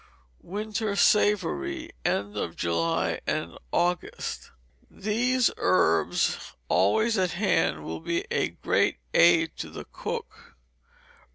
Winter Savoury, end of July and August. These herbs always at hand will be a great aid to the cook.